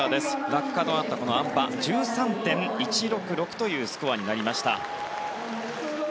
落下のあったこのあん馬１３．１６６というスコアになりました。